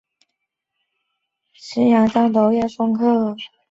后周设莘亭县。